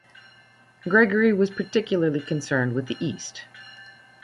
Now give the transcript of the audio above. Gregory was particularly concerned with the East.